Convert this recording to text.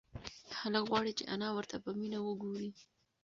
هلک غواړي چې انا ورته په مینه وگوري.